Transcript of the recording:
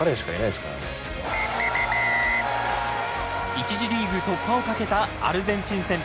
一次リーグ突破を懸けたアルゼンチン戦。